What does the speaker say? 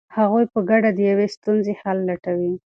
هغوی په ګډه د یوې ستونزې حل لټوي.